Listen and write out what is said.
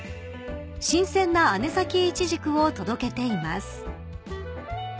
［新鮮な姉崎いちじくを届けています］